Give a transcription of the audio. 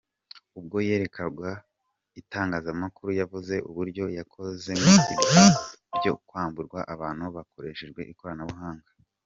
Ubwo yerekwagwa itangazamakuru yavuze uburyo yakozemo ibyaha byo kwambura abantu hakoreshejwe ikoranabuhanga.